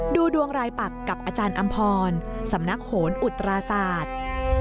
ดูดวงรายปักกับอาจารย์อำพรสำนักโหนอุตราศาสตร์